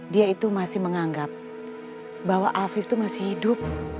dia itu masih menganggap bahwa afif itu masih hidup